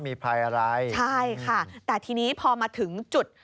มีภัยอะไรใช่ค่ะแต่ทีนี้พอมาถึงจุด